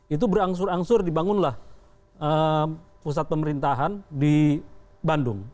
itu berangsur angsur dibangunlah pusat pemerintahan di bandung